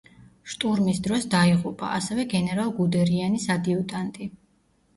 შტურმის დროს დაიღუპა, ასევე, გენერალ გუდერიანის ადიუტანტი.